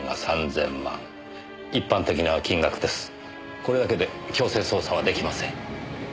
これだけで強制捜査は出来ません。